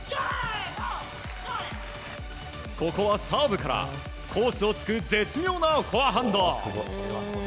ここはサーブからコースをつく絶妙なフォアハンド。